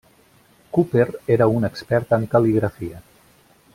Cooper era un expert en cal·ligrafia.